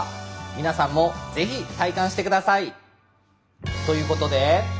皆さんもぜひ体感して下さい。ということで。